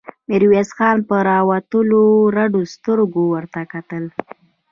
ميرويس خان په راوتلو رډو سترګو ورته کتل.